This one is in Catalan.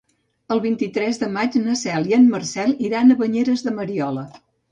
El vint-i-tres de maig na Cel i en Marcel iran a Banyeres de Mariola.